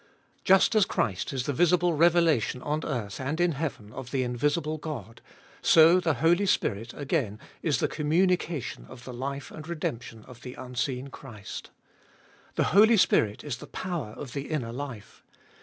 Just as Christ is the visible revelation on earth and in heaven of the invisible God, so the Holy Spirit again is the communication of the life and redemption of the unseen Christ. The Holy Spirit is the power of the inner life.